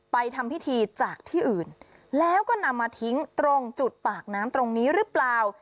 ทำพิธีจากที่อื่นแล้วก็นำมาทิ้งตรงจุดปากน้ำตรงนี้หรือเปล่า